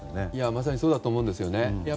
まさにそうだと思うんですね。